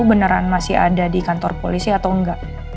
beneran masih ada di kantor polisi atau enggak